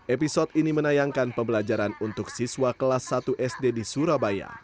episode ini menayangkan pembelajaran untuk siswa kelas satu sd di surabaya